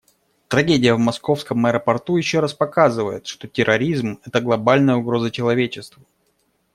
Трагедия в московском аэропорту еще раз показывает, что терроризм − это глобальная угроза человечеству.